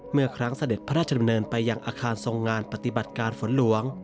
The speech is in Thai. เมื่อครั้งเสด็จพระราชดำเนินไปยังอาคารทรงงานปฏิบัติการฝนหลวง